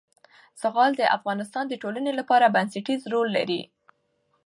زغال د افغانستان د ټولنې لپاره بنسټيز رول لري.